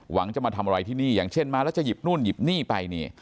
หวังจะมาทำอะไรที่นี่อย่างเช่นมาแล้วจะหยิบนู่นหยิบนี่ไปนี่